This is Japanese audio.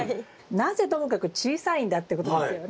なぜともかく小さいんだってことですよね。